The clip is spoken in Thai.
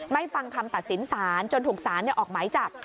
ไม่ฟังคำตัดสินศาลจนถูกศาลออกไหมจับ